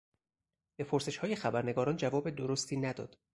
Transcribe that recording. به پرسشهای خبرنگاران جواب درستی نداد.